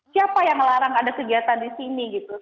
siapa yang larang ada kegiatan di sini gitu